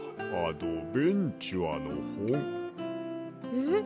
えっ？